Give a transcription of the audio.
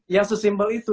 yang sesimple itu